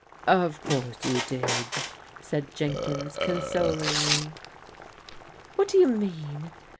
Of course you did," said Jenkins consolingly. What do you mean?"